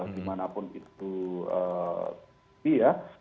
dimanapun itu tapi ya